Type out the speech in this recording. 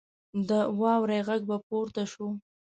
د واورې غږ به پورته شو.